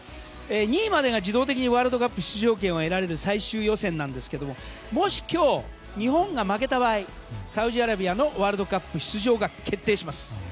２位までが自動的にワールドカップ出場権を得られる最終予選なんですがもし今日、日本が負けた場合サウジアラビアのワールドカップ出場が決定します。